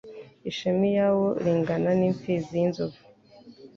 Ishema lyawo lingana n'imfizi y'inzovu!